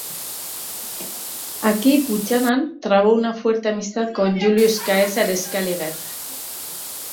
Aquí Buchanan trabó una fuerte amistad con Julius Caesar Scaliger.